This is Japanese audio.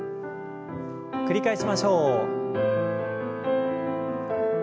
繰り返しましょう。